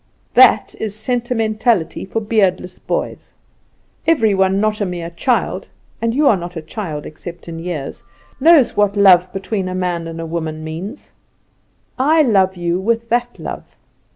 That is sentimentality for beardless boys. Every one not a mere child (and you are not a child, except in years) knows what love between a man and a woman means. I love you with that love.